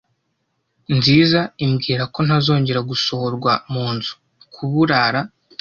nziza imbwirako ntazongera gusohorwa munzu, kuburara